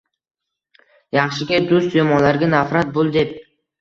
Yaxshiga dust yomonlarga nafrat bul deb